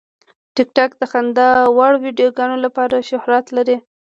ټیکټاک د خندا وړ ویډیوګانو لپاره شهرت لري.